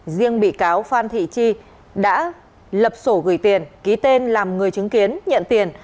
riêng bị cáo phan thị chi đã lập sổ gửi tiền ký tên làm người chứng kiến nhận tiền